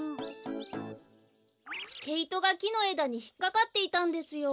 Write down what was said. けいとがきのえだにひっかかっていたんですよ。